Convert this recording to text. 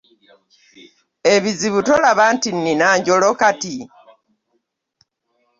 Ebizibu tolaba nti nnina njolo kati?